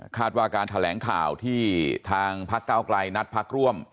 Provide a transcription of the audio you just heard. ว่าการแถลงข่าวที่ทางพักเก้าไกลนัดพักร่วม